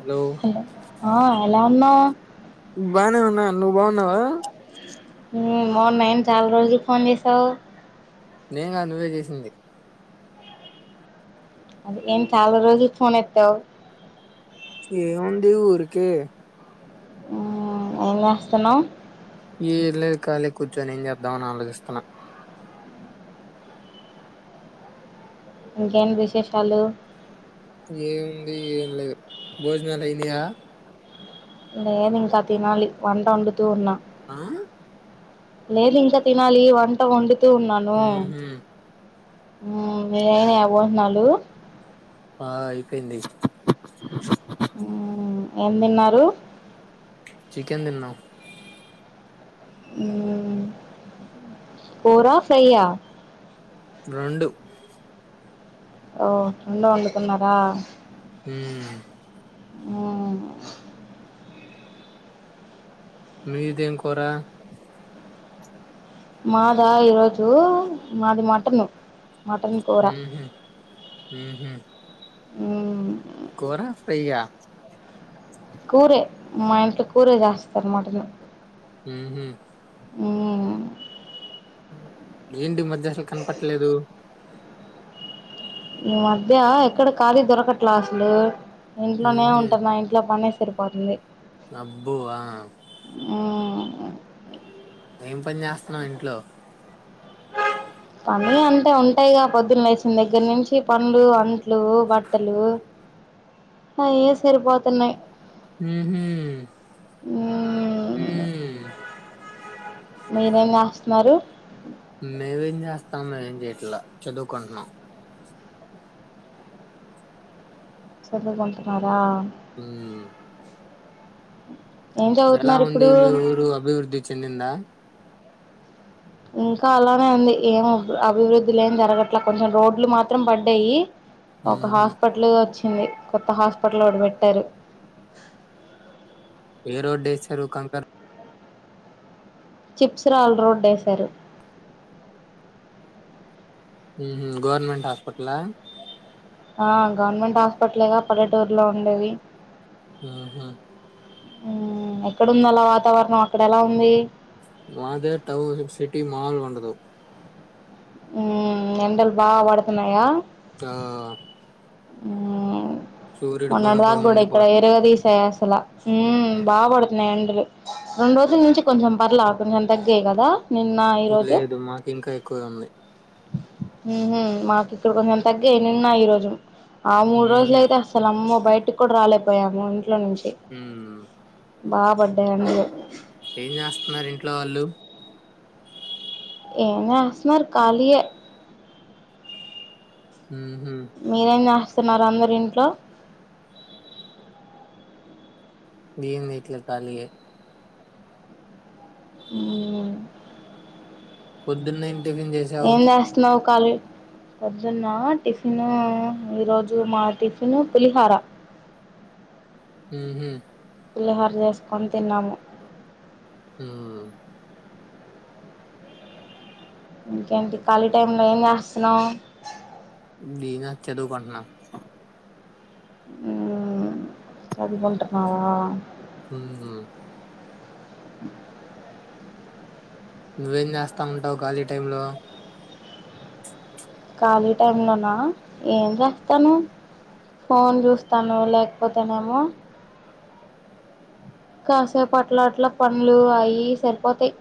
Hello hello బానే ఉన్నా నువ్వు బావున్నావా హ్మ్ బావున్నా ఏమీ చాలా రోజులకి ఫోన్ చేసావ్ నేంగాదు నువ్వే చేసింది అద చాలా రోజులకి ఫోన్ ఎత్తవ్ ఏముంది ఊరికే హ్మ్ ఏంజేస్తన్నావ్ ఈ ఇళ్ల కాలే కూర్చొని ఏం చేద్దామని ఆలోచిస్తున్నా ఇంకేంటి విశేషాలు ఏముంది ఏం లేదు భోజనాలు అయినాయా లేదు ఇంకా తినాలి వంట వండుతూ ఉన్నా ఆ లేేలి ఇంకా తినాలి వంట వండు తూ ఉన్నాను ఉహు మీరైనా ఎవ్వోంటున్నాలు ఆ అయిపోయింది హ్మ్ ఏమ్ తిన్నారు చికెన్ దిన్నాం కూరా ఫ్రైయా రెండు ఓ రెండు వండుతున్నారా ఉ ఆ మీదేం కూర మాద ఈరోజు మాది మటను మటన్ కూర హ్మ్ హు హ్మ్ హు హ్మ్ కోర ఫ్రైయ్యా కూరే మా ఇంట్లో కూరే చేస్తారు మటను హ్మ్ హు హ్మ్ ఏంటి మ [unintelligible] కనపట్టలేదు మధ్య ఎక్కడ ఖాళీ దొరకట్లా అసలు ఇంట్లోనే ఉంటన్న ఇంట్లో పనే సరు నబ్వా ఆ ఏం పని జేస్తన్నావ్ ఇంట్లో పని అంటే ఉంటాయిగా పొద్దున లేేసిన దగ్గర నుంచి పంలు అంత లు బట్టలు అఏ సరిపపోతున్నాయ్ మ్మ్ ఉహూ మీరేం రాస్తున్నారు మేవేం జేస్తాము మేమేం జెయట్లా చదువుకుంటున్నాం చదుకొంటన్నారా ఉ ఏం ఎలా చదువుతున్నారు ఉంది ఇప్పుడు మీ ఊరు అభివృద్ధి చెందింద ఇంకా అలానే అంది ఏం అభివృద్ధి లేమ్ జరగట్లే కొంచెం రోడ్లు మాత్రం పడ్డాయి ఒక మ్మ్ హాస్పిట్ల వచ్చి కొత్త హాస్పిటల్ ఒగటి పెట్టారు ఏ రోడ్డేసారూ కంకర్ చిప్స్ రాాల రోడ్ వసారు గవర్నమెంట్ హాస్పిటల్ ఆ గవర్నమెంట్ హాస్పిటల్గా పల్లెటూరులో ఉండేవి ఆహా ఉ ఎక్కడంద అలా వాతావరణం అక్కడ ఎలా ఉంది మాదే డౌన్ సిటీ మముల్ వండదు ఎండలు బాగా పడుతున్నాయా ఆ హ్మ్ సూర్యుడు మొన్నటి దాక బగబగ కూడా ఇక్కడ మండిపోతుంది ఇరగదీసాయసలా హ్మ్ బా పడుతున్నాయి ఎండలు రెండు రోజుల నుంచి కొంచెం పర్లా కొంచెం తగ్గాయి కదా నిన్న ఈరోజు లేదు మాకింకా ఎక్కువే ఉంది మాకు ఇక్కడ కొంచెం తగ్గగా నిన్నా ఈ రోజు ఆ మూడు మ్మ్ రోజలయితే అసలమ్మో బైట్ కూడా రాలే పోయాము పడ్డాయి అందులో ఏం చేస్తున్నారు ఇంట్లో వాళ్ళు ఏం జెస్తన్నరు కాళియే మ్మ్ మీరేం స్తున్నారు అందరు ఇంట్లో దీన్ ట్ల కాలియే హ్మ్ పొద్దున్నే ఏం చేస్తున్నావ్ ఖాళీ పొద్దున్న టిఫిన్ ఈరోజు మా టిఫిన్ పులిహార ఊహూ పులిహార చేసుకొని తిన్నాము హ్మ్ ఇంకేంటి ఖాళీ టైంలో ఏం చేస్తున్నావు దీనా చదువుకుంటున్నా మ్ అది పంటన్నావా మ్ హ నువ్వేం చేస్తా ఉంటావు ఖాళీ టైమ్లో ఖాళీ టైలోనా ఏం చేస్తాను ఫోన్ చూస్తాను లేకపోతేనేమో కాసేపు అట్లా అట్ల పంలు అయి సరిపోతాయి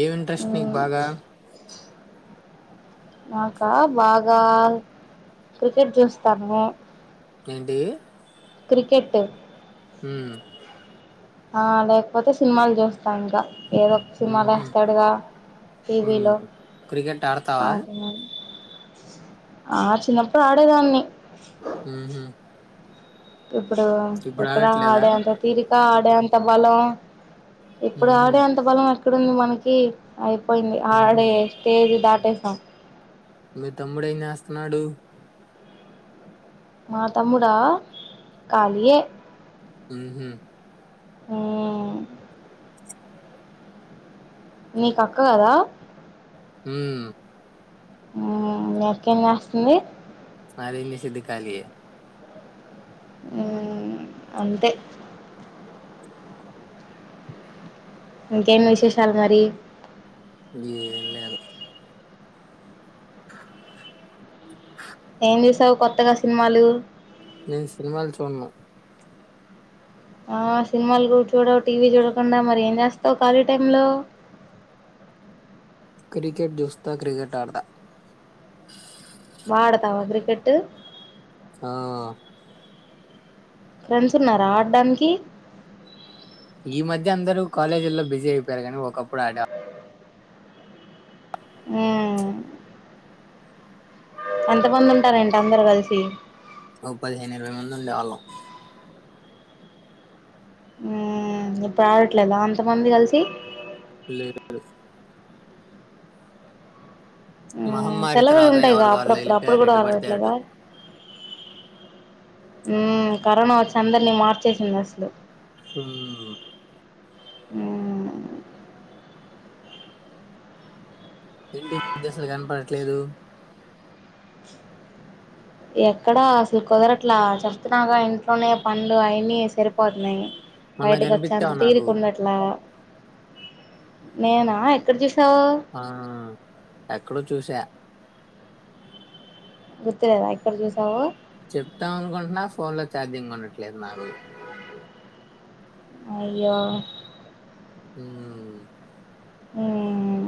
ఏమి ఇంట్రెస్ట్ నీకు మ్మ్ బాగా నాకా బాగా క్రికెట్ చూస్తాము ఎంటి క్రికెట్ మ్ ఆ లేకపోతే సినిమాలు చూస్తా ఇంకా ఏదో ఒక సినిమాలు ఉహు వేస్తాడుగా ఉమ్ టీవీలో క్రికెట్ ఆడతావా అన్నా ఆ చిన్నప్పుడు ఆడేదాన్ని మ్ హ ఇప్పుడు ఎక్కడ ఆడట్లేదా ఆడే అంత తీరి కా ఆడే అంత బలం ఇప్పుడు ఉహు ఆవిడే అంత బలం వ క్కడుంది మనకి అయి పోయింది ఉహు ఆడే స్టేజ్ దాట్ వస్తా మీ తమ్ముడు ఏం చేస్తన్నాడు మా తమ్ముడా ఖాళియే ఉహుమ్ ఆమ్ నీకు అక్క కదా మ్ నకేం చేస్తుంది నాలన్ సిద్ధకాలయే మ్ అంతే ఇంకేనా విశేషాల మరి ఏం లేదు ఏం చూసావు కొత్తగా సినిమాలు నేను సినిమాలు చూను ఆ సినిమాలు కూడా చూడవు టీ వీ చూడకుండా మరి ఏం చేస్తావు ఖాళీ టైమ్ లో క్రికెట్ జుస్తా క్రికెట్ ఆడత వాడతావా క్రికెటు ఆ ఫ్రెండ్స్ ఉన్నారా ఆడ్డడానికి ఈ మధ్య అందరూ కాలేజీల్లో బిజీ అయిపోయారు కానీ ఒకప్పుడు ఆడ హమ్ ఎంతమంది ఉంటారు ఎంటి అందరు కలిసి ఒక పదిహేను ఇరవై మంది ఉండేవాళ్ళం ఉమ్ ఇప్పుడు ఆడట్లేదా అంత మంది కలిసి లేరు ఎవరు మ్మ్ మహమ్మారి సెలవులు తర్వాత ఉంటాయిగా ఎవరుకు వాళ్ళు అప్పుడప్పుడు అప్పుడు వెళ్లిపోయారు కూడా ఏటు పడితే అటు ఆడట్లేదా ఉమ్ కరోనా వచ్చి అందరినీ మార్చేసింది అసలు ఆమ్ ఆమ్ ఏంటి ఈ మధ్య అసలు కనపడుట పట్లేదు ఎక్కడా అసలు కుదరట్లా చెప్తున్నాగా ఇంట్లోనే పనులు అయిన్ని సరిపోతున్నాయి మొన్న బయటికి వచ్చాంత కనిపించావు నాకు తీరికుండట్లా నేనా ఎక్కడ చూసి ఆ ఎక్కడో చూసా గుర్తులేదా ఎక్కడ చూశావో చెప్తాం అనుకుంటున్నా ఫోన్ లో ఛార్జింగ్ ఉండట్లేదు నాకు అయ్యో హమ్ అమ్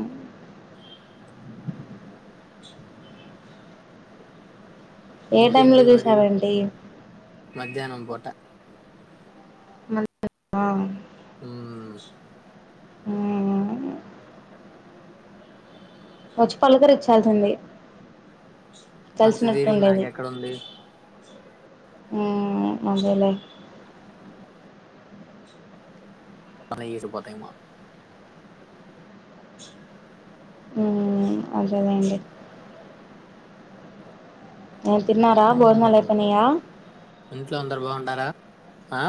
ఏ టైమ్ లో ఇంకేంటి మరి చూశావేంటి మధ్యాహ్నం పోటా మళ్ళి వా హమ్ అమ్ వచ్చి పలుకరిచ్చాల్సింది అంత తిరిగి నాకెక్కడ ఉంది. హ్మ్ అదేలే [unintelligible] ఉమ్ అవుసెలెండి ఏం తిన్నారా భోజనాలు హ్మ్, అయిపోయినియా ఇంట్లో అందరు బాగుంటారా ఆ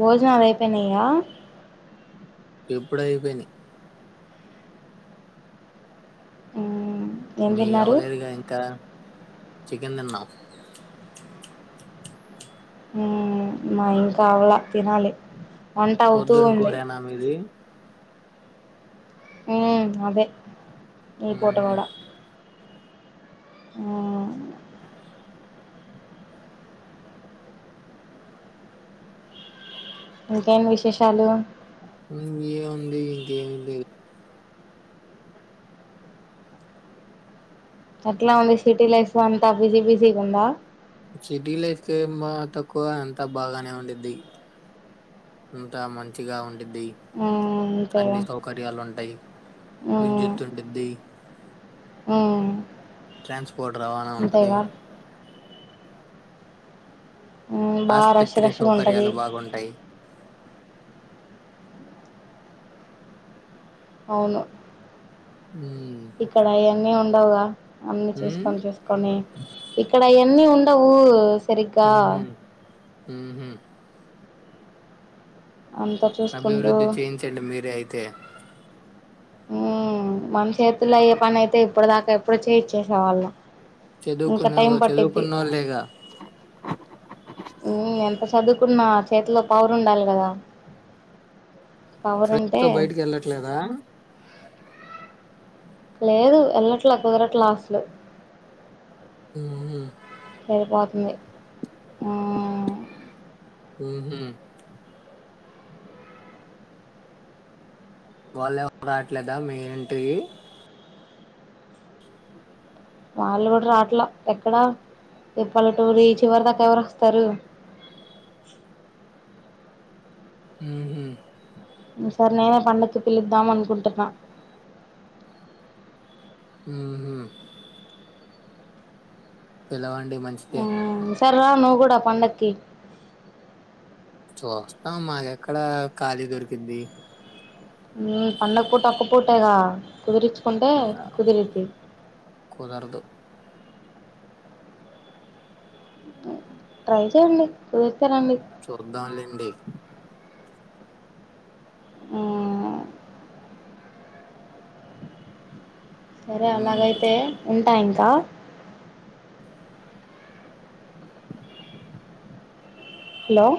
భోజనాలు అయిపోయినాయి ఇక ఎప్పుడో అయి పోయిన్నాయి మ్మ్ ఏం మీ తిన్నారు అవ్వలేదుగా ఇంకా ఎం తిన్నావ్ ఉమ్ మాది ఇంకా అవాలా తినాలి వంట అవుతూ పొద్దున ఉంది కూరెనా మీది ఉమ్ అదే ఈ పూట హ్మ్, కూడా ఆ ఇంకేం విశేషాలు ఇంకోమ్ ఉంది ఇంకేం లేదు. ఏట్లా ఉంది సిటీ లైఫ్ అంతా బిజీ బిజీ ఉందా సిటీ లైఫ్ ఏ మా తక్కువ అంత బాగానే ఉండిద్ది. అంత మంచిగా ఉండి మ్మ్ అంతేగా అన్ని సౌకర్యాలు ఉంటాయి. విద్యుత్ ఉంటుద్ది. హ్మ్ ట్రాన్స్పోర్ట్ రవాణా ఉంటది మ్మ్ బాగా రష్ ఆస్పత్రి రష్గా ఉంటది సౌకర్యాలు బాగుంటాయి అవును ఉమ్ ఇక్కడ అయన్నీ ఉన్ డవు గా అన్ని ఉమ్ చూసుకొని చూసుకొని ఇక్కడ అయ అన్నీ ఉండవు స్ హ్మ్ హ్మ్ అంతా చూసుకుంటూ అభివృద్ధి చేయించండి మీరే అయితే మ్ మన చేతుల్లో అయ్యే పని అయితే ఇప్పుడ్ దాకా ఎప్పుడో చేయించే వాళ్లం చదువుకునేవాల్ చదువుకున్నళ్లేగా అ చదువుకున్న చేతిలో పవర్ ఉండాలి కదా పవర్ ఫ్రెండ్స్ ఉంటే తో బయటికి వెళ్ళట్లేదా లేదు వెల్లట్లా కుదరట్లా అసలు ఉహు సరిపోతాంది హ్మ్ హ్మ్ హు వాళ్ళేఎవ్ రావట్లేదా మీ ఇంటికి వాళ్ళు కూడా రాట్లా ఎక్కడా ఈ పల్లెటూరు చివరి దాకా ఎవరు వస్తారు. హ్మ్ హు మ్ సర్ నేనే పండకి పిలుద్దాం అనుకుంటున్నా హ్మ్ హు పిలవన్ అండి మంచిదే ఉమ్ ఈసారి రా నువ్ కూడా పండక్కి చూస్తాం మాకెక్కడ ఖాళీ దొరికిద్ది మ్మ్ పండగ పూట ఒక్క పూటేగా కుదిర్ంచుకుంటే కుదిరిది కుదరదు ట్రై చేయండి కుదిర్ చూద్దాం లెండి ఆహ్ సరే ఉమ్, అలాగైతే ఉంటా ఇం దా హలో